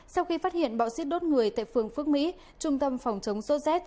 sau khi phát hiện bọ xích đốt người tại phường phước mỹ trung tâm phòng chống soset